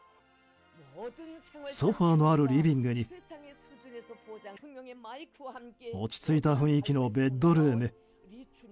ソファのあるリビングに落ち着いた雰囲気のベッドルーム。